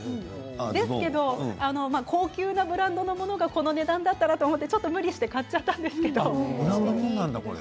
ですけど高級のブランドのものがこの値段だったらと思って無理して買っちゃったんです。